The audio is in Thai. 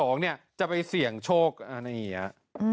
๖๒เนี่ยจะไปเสี่ยงโชคอันนี้แหละ